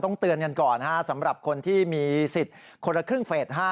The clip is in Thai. เตือนกันก่อนสำหรับคนที่มีสิทธิ์คนละครึ่งเฟส๕